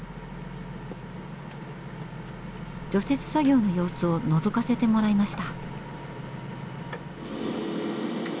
除雪作業の様子をのぞかせてもらいました。